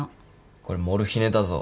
これモルヒネだぞ。